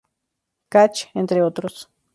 Catch, entre otros.